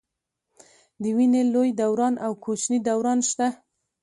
د وینې لوی دوران او کوچني دوران شته.